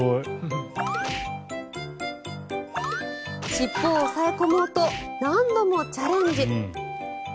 尻尾を押さえ込もうと何度もチャレンジ。